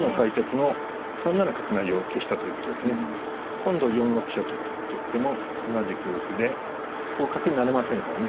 今度４六飛車と取っても同じく歩でこう角成れませんからね